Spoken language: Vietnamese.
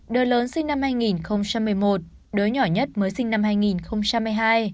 đứa lớn sinh năm hai nghìn một mươi một đứa nhỏ nhất mới sinh năm hai nghìn hai